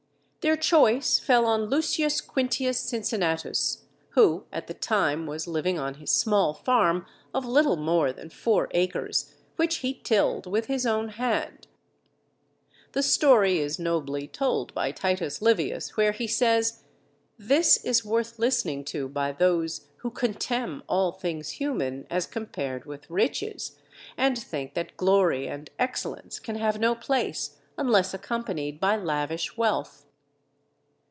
Their choice fell on Lucius Quintius Cincinnatus, who at the time was living on his small farm of little more than four acres, which he tilled with his own hand. The story is nobly told by Titus Livius where he says: "_This is worth listening to by those who contemn all things human as compared with riches, and think that glory and excellence can have no place unless accompanied by lavish wealth.